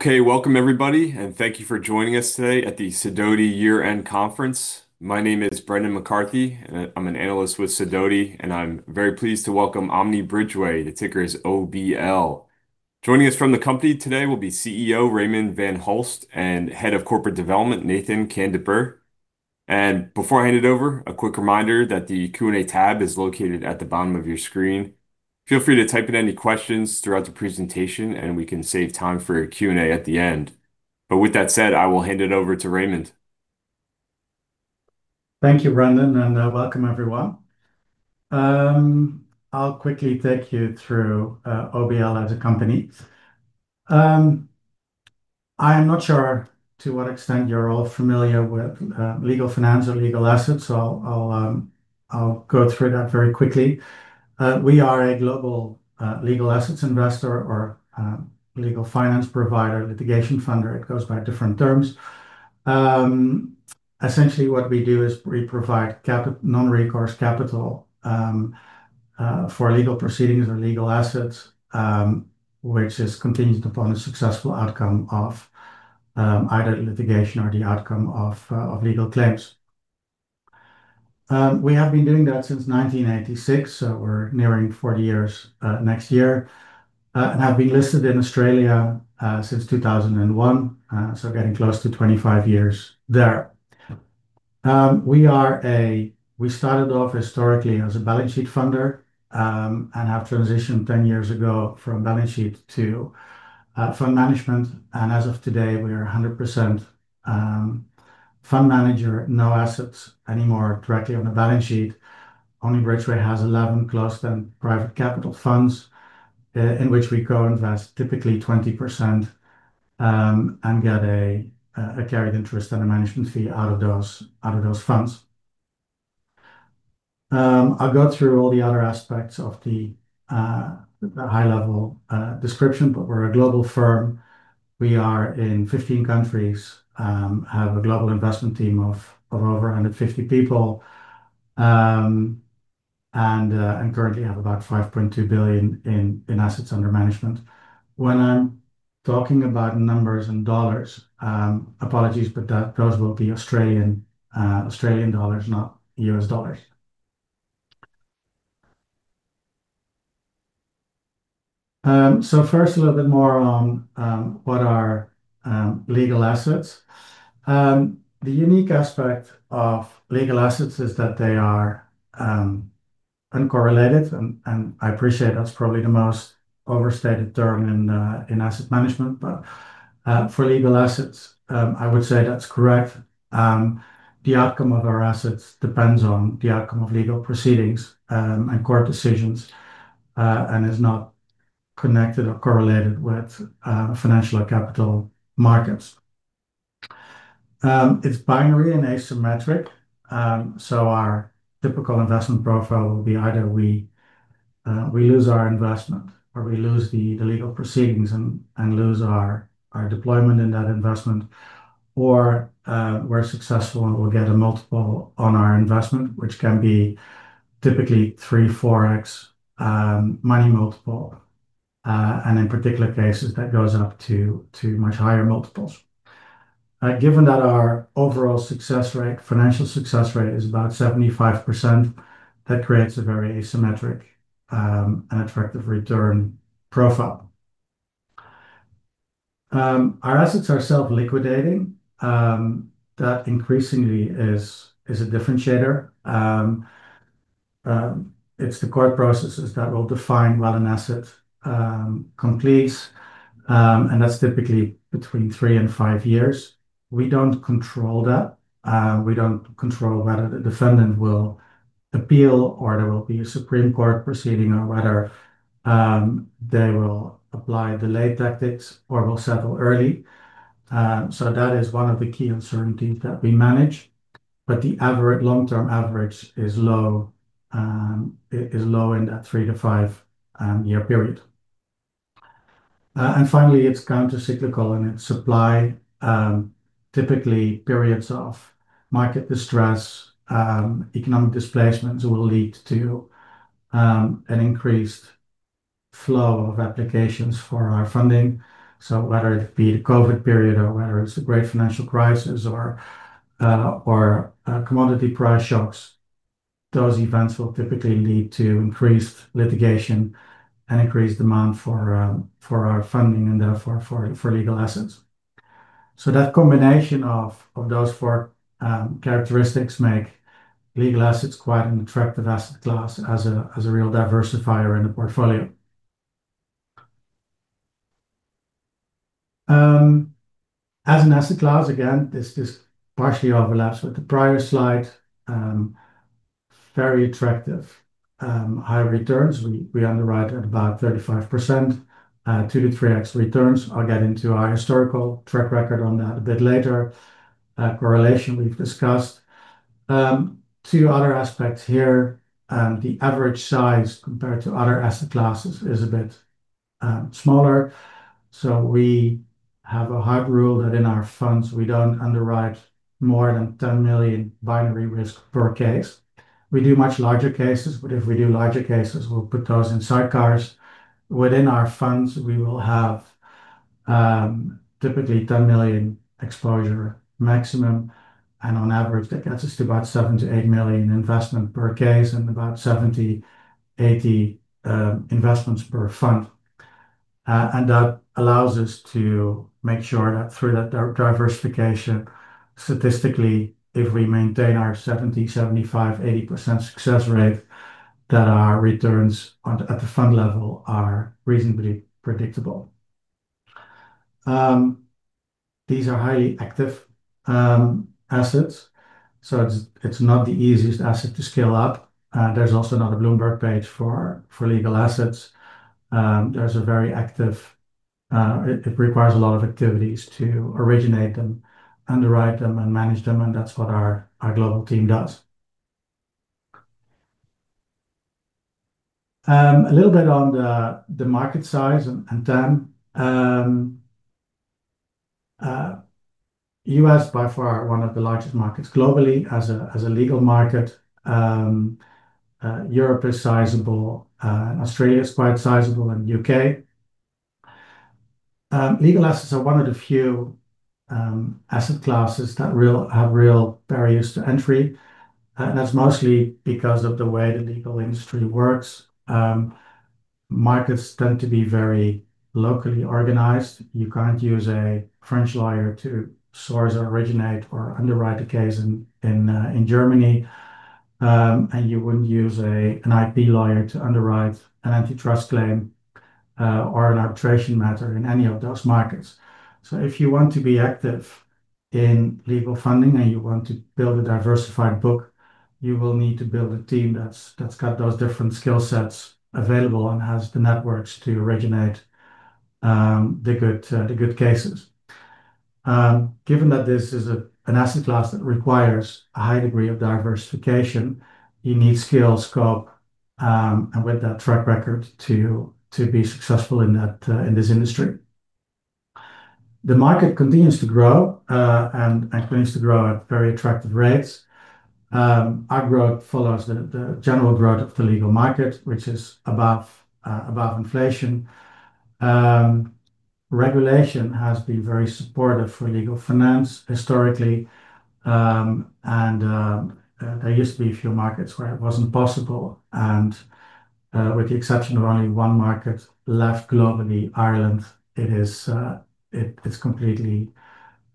Okay, welcome, everybody, and thank you for joining us today at the Sidoti Year-End Conference. My name is Brendan McCarthy, and I'm an analyst with Sidoti, and I'm very pleased to welcome Omni Bridgeway. The ticker is OBL. Joining us from the company today will be CEO Raymond van Hulst and Head of Corporate Development Nathan Khandarkar. And before I hand it over, a quick reminder that the Q&A tab is located at the bottom of your screen. Feel free to type in any questions throughout the presentation, and we can save time for a Q&A at the end. But with that said, I will hand it over to Raymond. Thank you, Brendan, and welcome, everyone. I'll quickly take you through OBL as a company. I am not sure to what extent you're all familiar with legal finance or legal assets, so I'll go through that very quickly. We are a global legal assets investor or legal finance provider, litigation funder. It goes by different terms. Essentially, what we do is we provide non-recourse capital for legal proceedings or legal assets, which is contingent upon a successful outcome of either litigation or the outcome of legal claims. We have been doing that since 1986, so we're nearing 40 years next year, and have been listed in Australia since 2001, so getting close to 25 years there. We started off historically as a balance sheet funder and have transitioned 10 years ago from balance sheet to fund management. As of today, we are 100% fund manager, no assets anymore directly on the balance sheet. Omni Bridgeway has 11 closed-end private capital funds in which we co-invest typically 20% and get a carried interest and a management fee out of those funds. I'll go through all the other aspects of the high-level description, but we're a global firm. We are in 15 countries, have a global investment team of over 150 people, and currently have about 5.2 billion in assets under management. When I'm talking about numbers and dollars, apologies, but those will be Australian dollars, not U.S. dollars. So first, a little bit more on what are legal assets. The unique aspect of legal assets is that they are uncorrelated, and I appreciate that's probably the most overstated term in asset management, but for legal assets, I would say that's correct. The outcome of our assets depends on the outcome of legal proceedings and court decisions and is not connected or correlated with financial or capital markets. It's binary and asymmetric, so our typical investment profile will be either we lose our investment or we lose the legal proceedings and lose our deployment in that investment, or we're successful and we'll get a multiple on our investment, which can be typically three, four x money multiple, and in particular cases, that goes up to much higher multiples. Given that our overall success rate, financial success rate, is about 75%, that creates a very asymmetric and attractive return profile. Our assets are self-liquidating. That increasingly is a differentiator. It's the court processes that will define what an asset completes, and that's typically between three and five years. We don't control that. We don't control whether the defendant will appeal or there will be a Supreme Court proceeding or whether they will apply delayed tactics or will settle early, so that is one of the key uncertainties that we manage, but the long-term average is low in that three to five year period, and finally, it's countercyclical in its supply. Typically, periods of market distress, economic displacements will lead to an increased flow of applications for our funding, so whether it be the COVID period or whether it's a great financial crisis or commodity price shocks, those events will typically lead to increased litigation and increased demand for our funding and therefore for legal assets, so that combination of those four characteristics makes legal assets quite an attractive asset class as a real diversifier in the portfolio. As an asset class, again, this partially overlaps with the prior slide. Very attractive high returns. We underwrite at about 35%, two-three x returns. I'll get into our historical track record on that a bit later. Correlation we've discussed. Two other aspects here. The average size compared to other asset classes is a bit smaller. So we have a hard rule that in our funds, we don't underwrite more than 10 million binary risk per case. We do much larger cases, but if we do larger cases, we'll put those in sidecars. Within our funds, we will have typically 10 million exposure maximum, and on average, that gets us to about seven-eight million investment per case and about 70-80 investments per fund. And that allows us to make sure that through that diversification, statistically, if we maintain our 70%, 75%, 80% success rate, that our returns at the fund level are reasonably predictable. These are highly active assets, so it's not the easiest asset to scale up. There's also not a Bloomberg page for legal assets. There's a very active. It requires a lot of activities to originate them, underwrite them, and manage them, and that's what our global team does. A little bit on the market size and time. U.S. by far one of the largest markets globally as a legal market. Europe is sizable. Australia is quite sizable and the U.K. Legal assets are one of the few asset classes that have real barriers to entry, and that's mostly because of the way the legal industry works. Markets tend to be very locally organized. You can't use a French lawyer to source or originate or underwrite a case in Germany, and you wouldn't use an IP lawyer to underwrite an antitrust claim or an arbitration matter in any of those markets. If you want to be active in legal funding and you want to build a diversified book, you will need to build a team that's got those different skill sets available and has the networks to originate the good cases. Given that this is an asset class that requires a high degree of diversification, you need skill, scope, and with that track record to be successful in this industry. The market continues to grow and continues to grow at very attractive rates. Our growth follows the general growth of the legal market, which is above inflation. Regulation has been very supportive for legal finance historically, and there used to be a few markets where it wasn't possible. With the exception of only one market left globally, Ireland, it's completely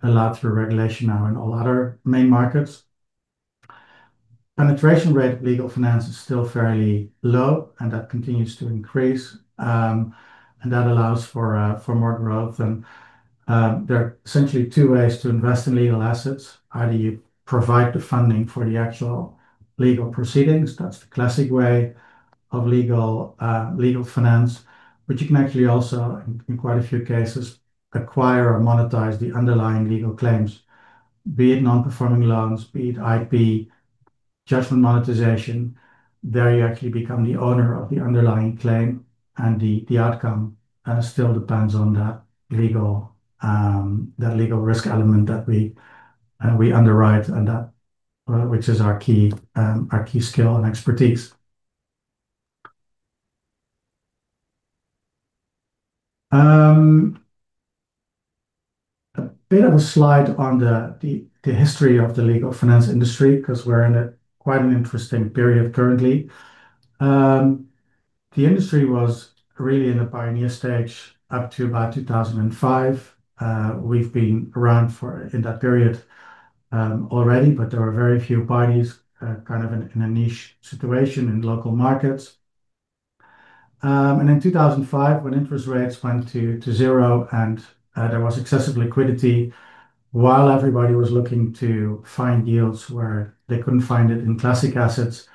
allowed through regulation now in all other main markets. Penetration rate of legal finance is still fairly low, and that continues to increase, and that allows for more growth, and there are essentially two ways to invest in legal assets. Either you provide the funding for the actual legal proceedings. That's the classic way of legal finance, but you can actually also, in quite a few cases, acquire or monetize the underlying legal claims, be it non-performing loans, be it IP, judgment monetization. There you actually become the owner of the underlying claim, and the outcome still depends on that legal risk element that we underwrite, which is our key skill and expertise. A bit of a slide on the history of the legal finance industry because we're in quite an interesting period currently. The industry was really in a pioneer stage up to about 2005. We've been around in that period already, but there were very few parties kind of in a niche situation in local markets, and in 2005, when interest rates went to zero and there was excessive liquidity while everybody was looking to find yields where they couldn't find it in classic assets,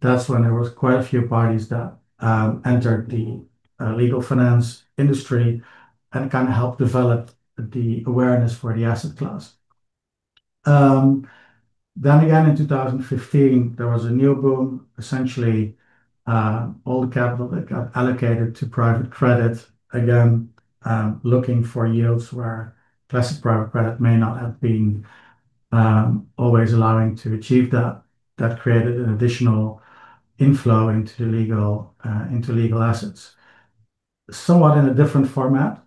that's when there were quite a few parties that entered the legal finance industry and kind of helped develop the awareness for the asset class, then again, in 2015, there was a new boom. Essentially, all the capital that got allocated to private credit, again, looking for yields where classic private credit may not have been always allowing to achieve that, that created an additional inflow into legal assets. Somewhat in a different format,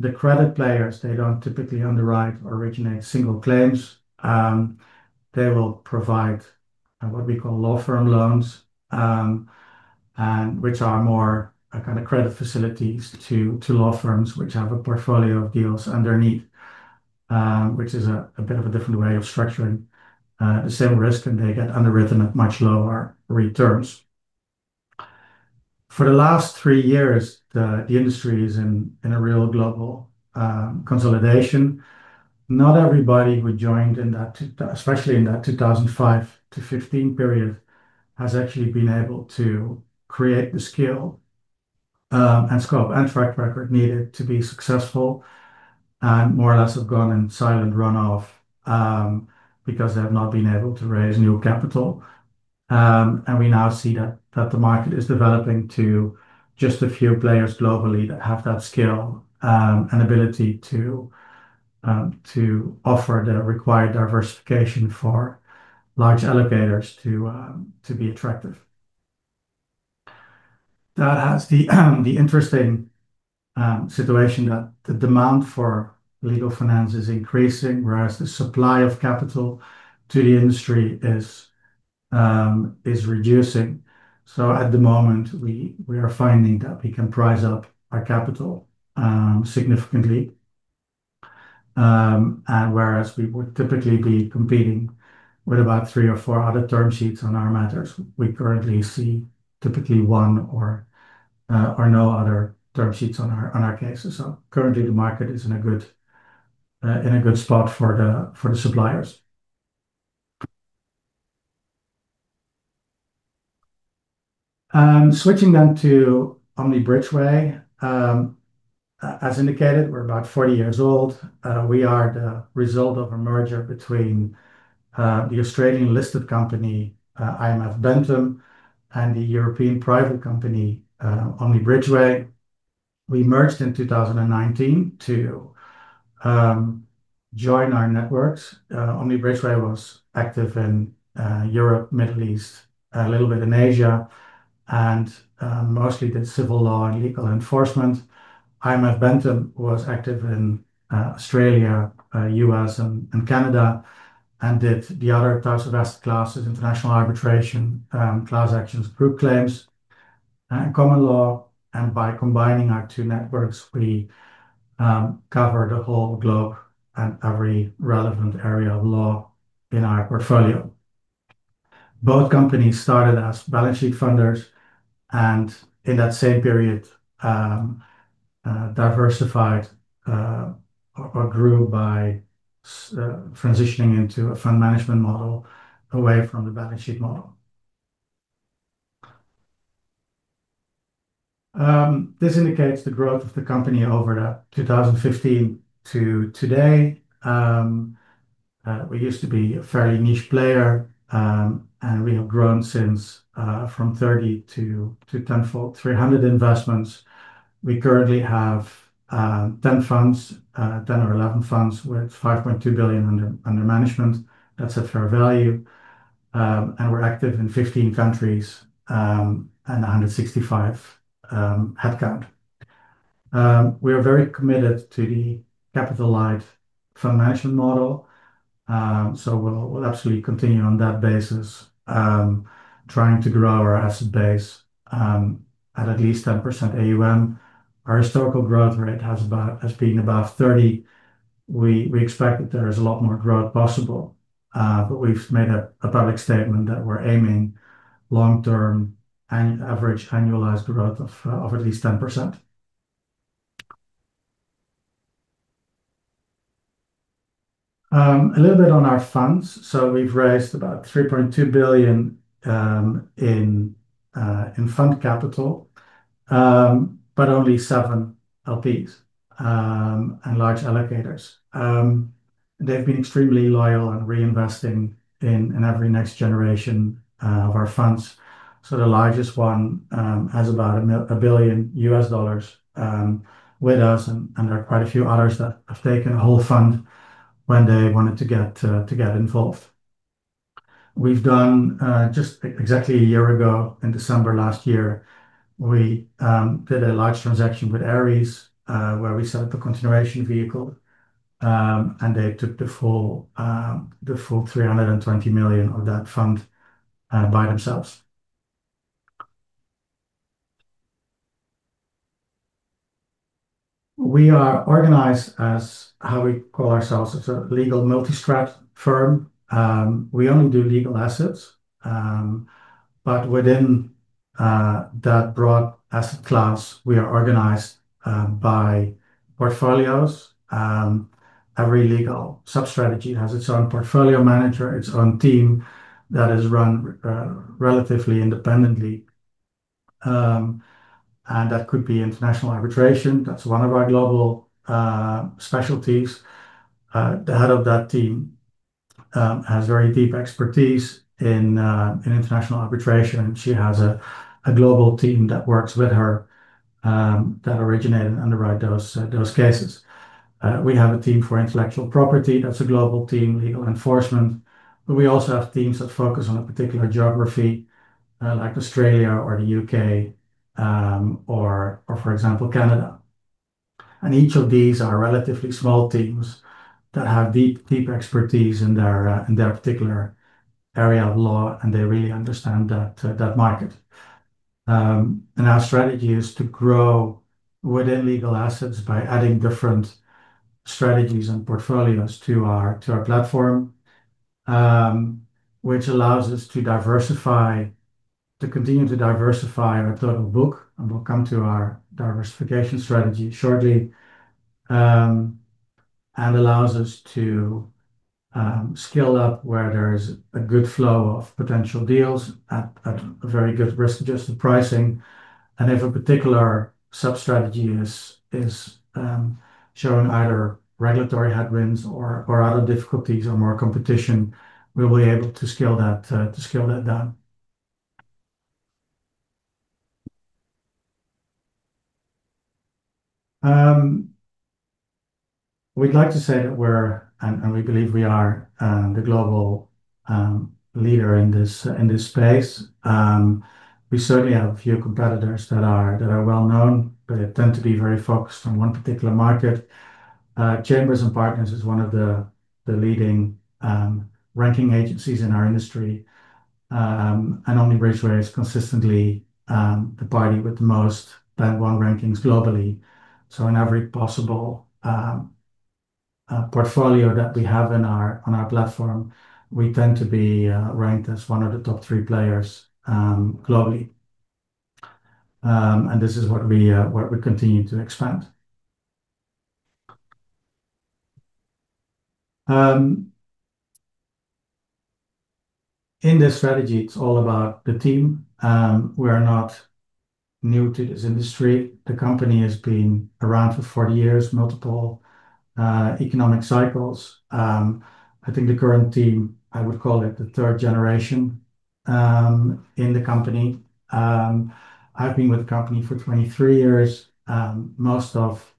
the credit players, they don't typically underwrite or originate single claims. They will provide what we call law firm loans, which are more kind of credit facilities to law firms which have a portfolio of deals underneath, which is a bit of a different way of structuring the same risk, and they get underwritten at much lower returns. For the last three years, the industry is in a real global consolidation. Not everybody who joined in that, especially in that 2005 to 2015 period, has actually been able to create the skill and scope and track record needed to be successful and more or less have gone in silent runoff because they have not been able to raise new capital, and we now see that the market is developing to just a few players globally that have that skill and ability to offer the required diversification for large investors to be attractive. That has the interesting situation that the demand for legal finance is increasing, whereas the supply of capital to the industry is reducing. So at the moment, we are finding that we can price up our capital significantly. And whereas we would typically be competing with about three or four other term sheets on our matters, we currently see typically one or no other term sheets on our cases. So currently, the market is in a good spot for the suppliers. Switching then to Omni Bridgeway. As indicated, we're about 40 years old. We are the result of a merger between the Australian listed company, IMF Bentham, and the European private company, Omni Bridgeway. We merged in 2019 to join our networks. Omni Bridgeway was active in Europe, Middle East, a little bit in Asia, and mostly did civil law and legal enforcement. IMF Bentham was active in Australia, U.S., and Canada and did the other types of asset classes, international arbitration, class actions, group claims, and common law. By combining our two networks, we cover the whole globe and every relevant area of law in our portfolio. Both companies started as balance sheet funders and in that same period diversified or grew by transitioning into a fund management model away from the balance sheet model. This indicates the growth of the company over 2015 to today. We used to be a fairly niche player, and we have grown from 30 to 1,300 investments. We currently have 10 funds, 10 or 11 funds with 5.2 billion under management. That's a fair value. We're active in 15 countries and 165 headcount. We are very committed to the capital light fund management model, so we'll absolutely continue on that basis, trying to grow our asset base at least 10% AUM. Our historical growth rate has been above 30%. We expect that there is a lot more growth possible, but we've made a public statement that we're aiming long-term average annualized growth of at least 10%. A little bit on our funds. We've raised about 3.2 billion in fund capital, but only seven LPs and large allocators. They've been extremely loyal and reinvesting in every next generation of our funds. The largest one has about $1 billion with us, and there are quite a few others that have taken a whole fund when they wanted to get involved. Just exactly a year ago, in December last year, we did a large transaction with Ares where we set up a continuation vehicle, and they took the full 320 million of that fund by themselves. We are organized as how we call ourselves. It's a legal multistrat firm. We only do legal assets, but within that broad asset class, we are organized by portfolios. Every legal sub-strategy has its own portfolio manager, its own team that is run relatively independently, and that could be international arbitration. That's one of our global specialties. The head of that team has very deep expertise in international arbitration, and she has a global team that works with her that originated and underwrite those cases. We have a team for intellectual property. That's a global team, legal enforcement. But we also have teams that focus on a particular geography, like Australia or the U.K. or, for example, Canada. And each of these are relatively small teams that have deep expertise in their particular area of law, and they really understand that market. And our strategy is to grow within legal assets by adding different strategies and portfolios to our platform, which allows us to continue to diversify our total book and will come to our diversification strategy shortly and allows us to scale up where there is a good flow of potential deals at very good risk-adjusted pricing. And if a particular sub-strategy is showing either regulatory headwinds or other difficulties or more competition, we'll be able to scale that down. We'd like to say that we're, and we believe we are, the global leader in this space. We certainly have a few competitors that are well-known, but they tend to be very focused on one particular market. Chambers and Partners is one of the leading ranking agencies in our industry, and Omni Bridgeway is consistently the party with the most Band 1 rankings globally, so in every possible portfolio that we have on our platform, we tend to be ranked as one of the top three players globally, and this is what we continue to expand. In this strategy, it's all about the team. We are not new to this industry. The company has been around for 40 years, multiple economic cycles. I think the current team, I would call it the third generation in the company. I've been with the company for 23 years. Most of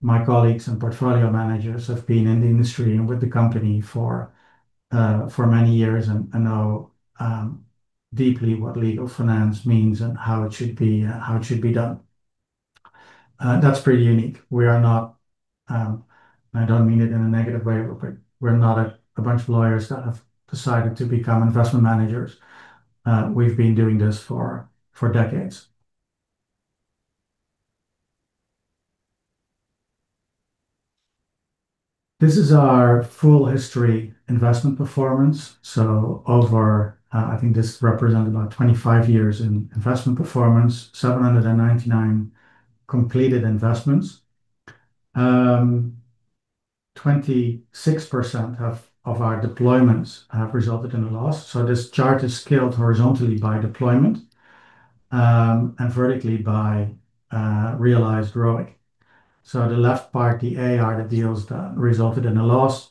my colleagues and portfolio managers have been in the industry and with the company for many years and know deeply what legal finance means and how it should be done. That's pretty unique. We are not, and I don't mean it in a negative way, but we're not a bunch of lawyers that have decided to become investment managers. We've been doing this for decades. This is our full history investment performance. So I think this represents about 25 years in investment performance, 799 completed investments. 26% of our deployments have resulted in a loss. So this chart is scaled horizontally by deployment and vertically by realized growth. So the left part, the AR, the deals that resulted in a loss.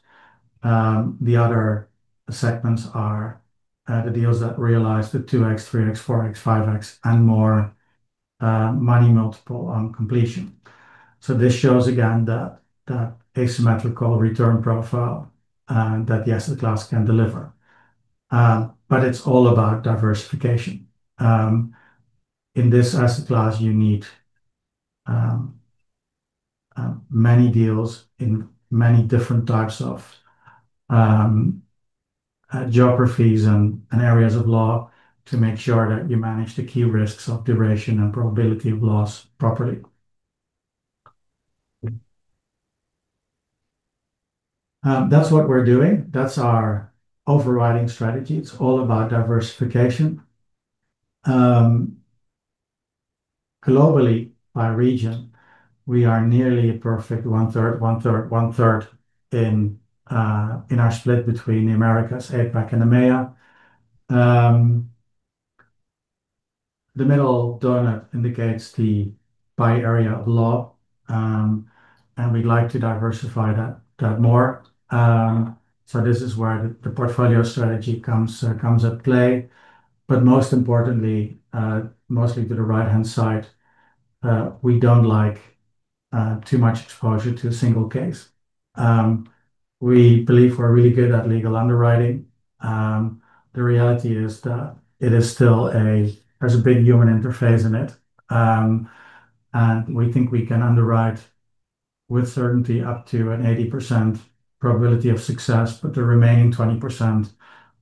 The other segments are the deals that realized the 2x, 3x, 4x, 5x, and more money multiple on completion. So this shows, again, that asymmetrical return profile that the asset class can deliver. But it's all about diversification. In this asset class, you need many deals in many different types of geographies and areas of law to make sure that you manage the key risks of duration and probability of loss properly. That's what we're doing. That's our overriding strategy. It's all about diversification. Globally, by region, we are nearly a perfect one-third, one-third, one-third in our split between the Americas, APAC, and EMEA. The middle donut indicates the by area of law, and we'd like to diversify that more. So this is where the portfolio strategy comes into play. But most importantly, mostly to the right-hand side, we don't like too much exposure to a single case. We believe we're really good at legal underwriting. The reality is that it is still a, there's a big human interface in it, and we think we can underwrite with certainty up to an 80% probability of success, but the remaining 20%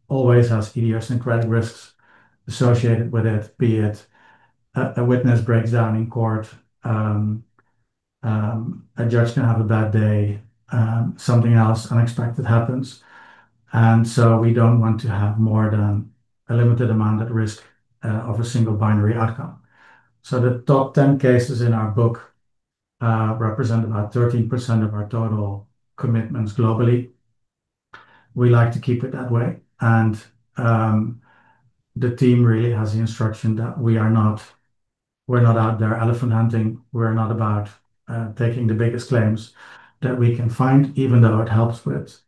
always has idiosyncratic risks associated with it, be it a witness breaks down in court, a judge can have a bad day, something else unexpected happens, and so we don't want to have more than a limited amount at risk of a single binary outcome, so the top 10 cases in our book represent about 13% of our total commitments globally. We like to keep it that way, and the team really has the instruction that we are not, we're not out there elephant hunting. We're not about taking the biggest claims that we can find, even though it helps with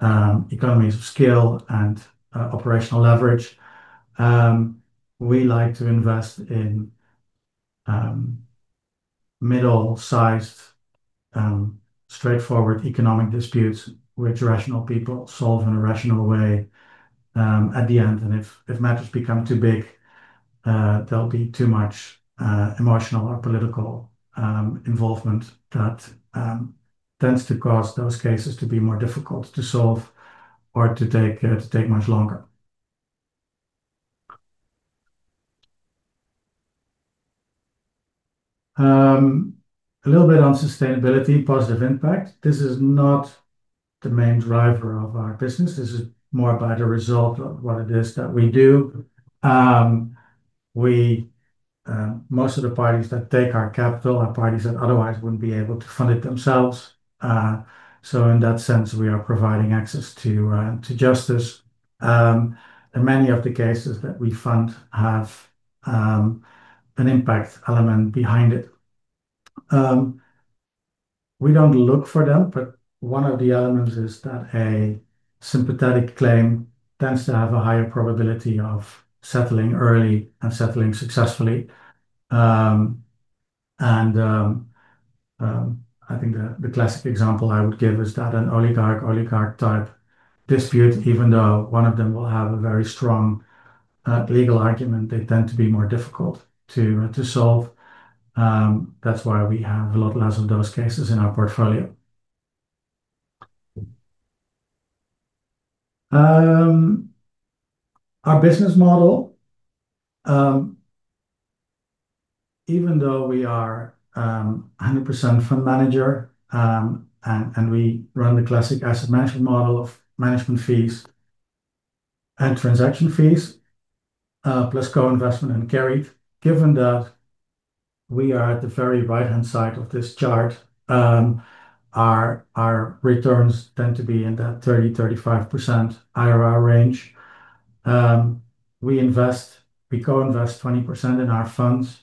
economies of scale and operational leverage. We like to invest in middle-sized, straightforward economic disputes, which rational people solve in a rational way at the end. And if matters become too big, there'll be too much emotional or political involvement that tends to cause those cases to be more difficult to solve or to take much longer. A little bit on sustainability, positive impact. This is not the main driver of our business. This is more about a result of what it is that we do. Most of the parties that take our capital are parties that otherwise wouldn't be able to fund it themselves. So in that sense, we are providing access to justice. And many of the cases that we fund have an impact element behind it. We don't look for them, but one of the elements is that a sympathetic claim tends to have a higher probability of settling early and settling successfully. I think the classic example I would give is that an oligarch-oligarch type dispute, even though one of them will have a very strong legal argument, they tend to be more difficult to solve. That's why we have a lot less of those cases in our portfolio. Our business model, even though we are 100% fund manager and we run the classic asset management model of management fees and transaction fees plus co-investment and carried, given that we are at the very right-hand side of this chart, our returns tend to be in that 30%-35% IRR range. We co-invest 20% in our funds,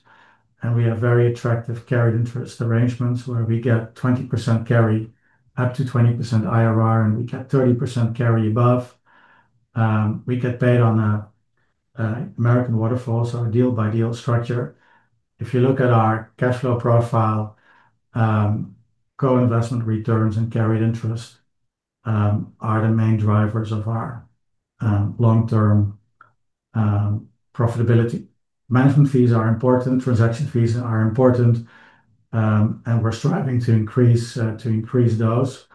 and we have very attractive carried interest arrangements where we get 20% carry up to 20% IRR, and we get 30% carry above. We get paid on American Waterfall, our deal-by-deal structure. If you look at our cash flow profile, co-investment returns and carried interest are the main drivers of our long-term profitability. Management fees are important. Transaction fees are important, and we're striving to increase those.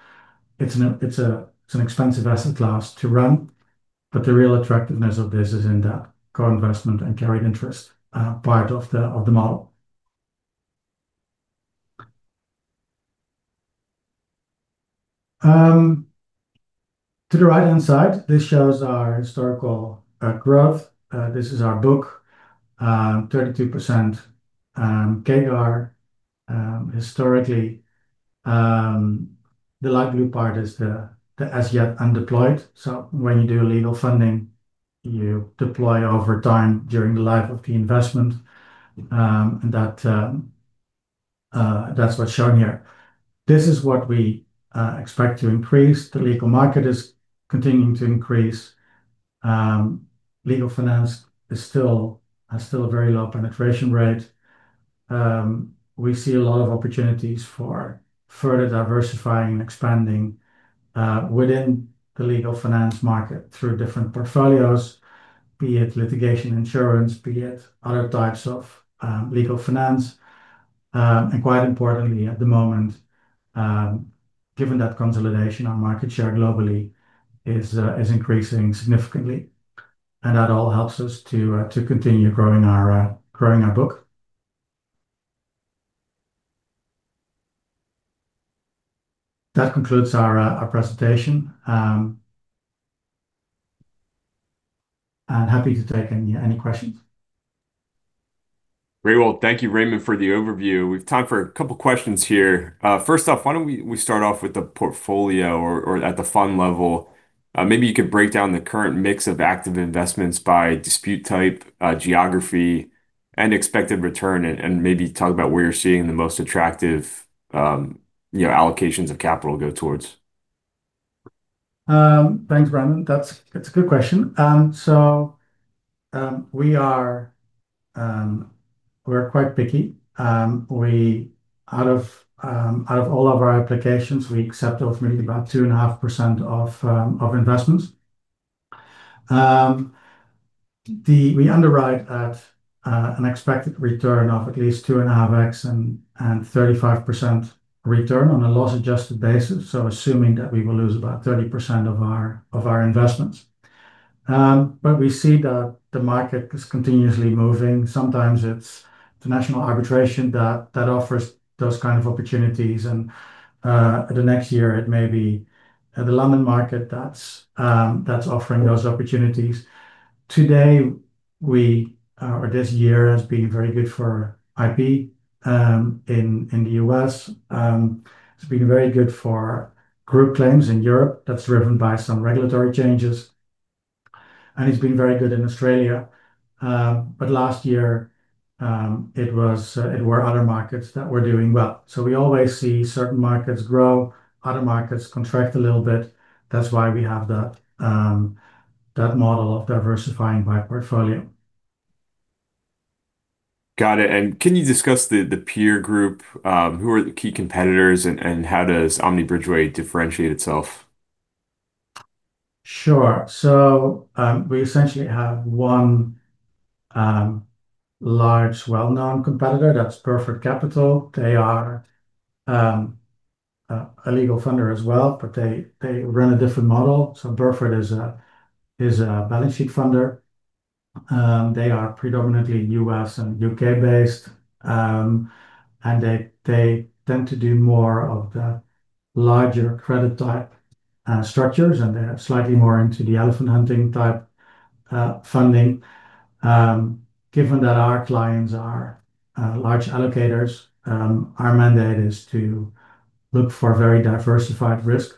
It's an expensive asset class to run, but the real attractiveness of this is in that co-investment and carried interest part of the model. To the right-hand side, this shows our historical growth. This is our book, 32% CAGR historically. The light blue part is the as-yet undeployed. So when you do legal funding, you deploy over time during the life of the investment. And that's what's shown here. This is what we expect to increase. The legal market is continuing to increase. Legal finance has still a very low penetration rate. We see a lot of opportunities for further diversifying and expanding within the legal finance market through different portfolios, be it litigation insurance, be it other types of legal finance. And quite importantly, at the moment, given that consolidation, our market share globally is increasing significantly. And that all helps us to continue growing our book. That concludes our presentation. And happy to take any questions. Very well. Thank you, Raymond, for the overview. We've time for a couple of questions here. First off, why don't we start off with the portfolio or at the fund level? Maybe you could break down the current mix of active investments by dispute type, geography, and expected return, and maybe talk about where you're seeing the most attractive allocations of capital go towards. Thanks, Brendan. That's a good question. So we're quite picky. Out of all of our applications, we accept ultimately about 2.5% of investments. We underwrite at an expected return of at least 2.5x and 35% return on a loss-adjusted basis, so assuming that we will lose about 30% of our investments. We see that the market is continuously moving. Sometimes it's the international arbitration that offers those kinds of opportunities, and the next year it may be the London market that's offering those opportunities. Today, or this year, has been very good for IP in the U.S. It's been very good for group claims in Europe. That's driven by some regulatory changes. It's been very good in Australia. Last year, it were other markets that were doing well. We always see certain markets grow, other markets contract a little bit. That's why we have that model of diversifying by portfolio. Got it. And can you discuss the peer group? Who are the key competitors, and how does Omni Bridgeway differentiate itself? Sure. So we essentially have one large, well-known competitor. That's Burford Capital. They are a legal funder as well, but they run a different model. So Burford is a balance sheet funder. They are predominantly U.S. and U.K.-based, and they tend to do more of the larger credit type structures, and they're slightly more into the elephant hunting type funding. Given that our clients are large allocators, our mandate is to look for very diversified risk.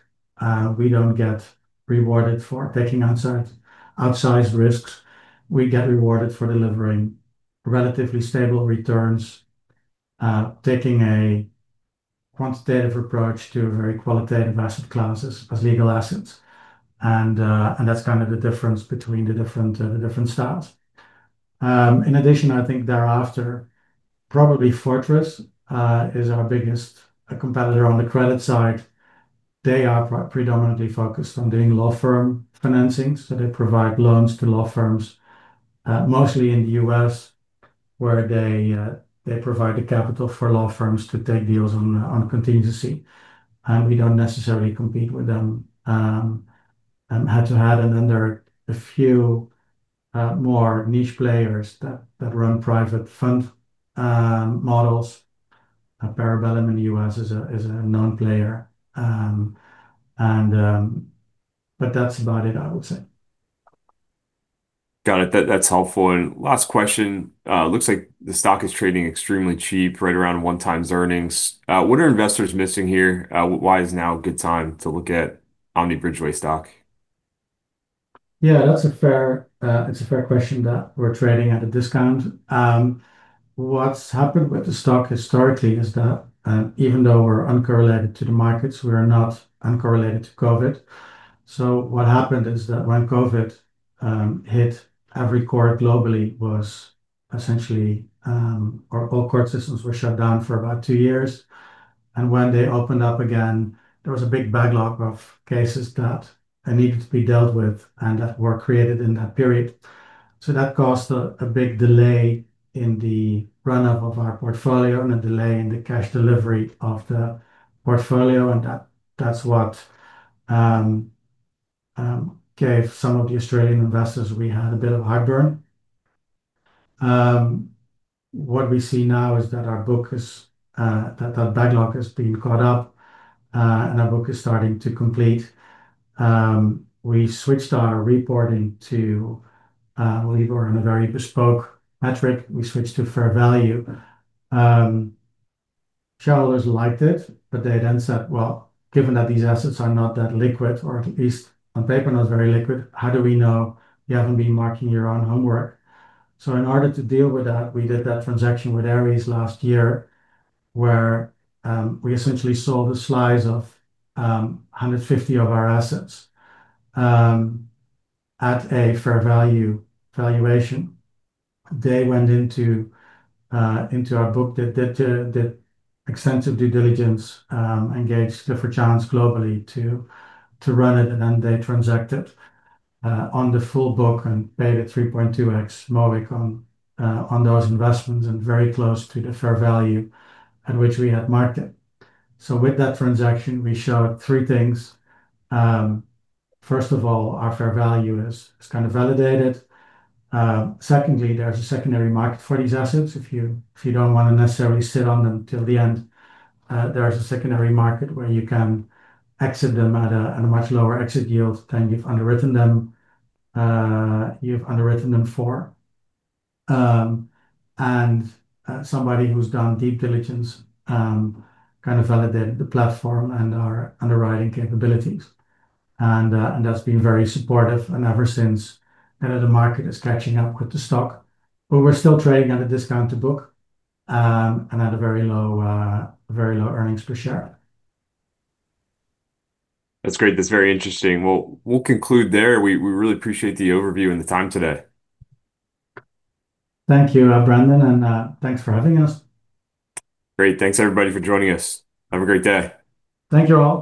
We don't get rewarded for taking outsized risks. We get rewarded for delivering relatively stable returns, taking a quantitative approach to very qualitative asset classes as legal assets. And that's kind of the difference between the different styles. In addition, I think thereafter, probably Fortress is our biggest competitor on the credit side. They are predominantly focused on doing law firm financing, so they provide loans to law firms, mostly in the U.S., where they provide the capital for law firms to take deals on contingency, and we don't necessarily compete with them head-to-head, and then there are a few more niche players that run private fund models. Parabellum in the U.S. is a known player, but that's about it, I would say. Got it. That's helpful, and last question. Looks like the stock is trading extremely cheap, right around one-time earnings. What are investors missing here? Why is now a good time to look at Omni Bridgeway stock? Yeah, that's a fair question that we're trading at a discount. What's happened with the stock historically is that even though we're uncorrelated to the markets, we are not uncorrelated to COVID. What happened is that when COVID hit, every court globally was essentially, or all court systems were shut down for about two years. When they opened up again, there was a big backlog of cases that needed to be dealt with and that were created in that period. That caused a big delay in the run-up of our portfolio and a delay in the cash delivery of the portfolio. That's what gave some of the Australian investors we had a bit of heartburn. What we see now is that our book is that the backlog has been caught up, and our book is starting to complete. We switched our reporting to, I believe, we're on a very bespoke metric. We switched to fair value. Shareholders liked it, but they then said, "Well, given that these assets are not that liquid, or at least on paper not very liquid, how do we know you haven't been marking your own homework?" So in order to deal with that, we did that transaction with Ares last year, where we essentially sold a slice of 150 of our assets at a fair value valuation. They went into our book, did extensive due diligence, engaged different channels globally to run it, and then they transacted on the full book and paid at 3.2x MOIC on those investments and very close to the fair value at which we had marked it. So with that transaction, we showed three things. First of all, our fair value is kind of validated. Secondly, there's a secondary market for these assets. If you don't want to necessarily sit on them till the end, there's a secondary market where you can exit them at a much lower exit yield than you've underwritten them. And somebody who's done deep diligence kind of validated the platform and our underwriting capabilities. And that's been very supportive. And ever since, the market is catching up with the stock. But we're still trading at a discounted book and at a very low earnings per share. That's great. That's very interesting. Well, we'll conclude there. We really appreciate the overview and the time today. Thank you, Brendan, and thanks for having us. Great. Thanks, everybody, for joining us. Have a great day. Thank you all.